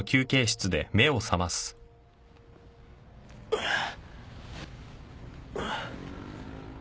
あっ。